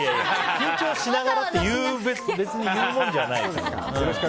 緊張しながらって別に言うものじゃないですから。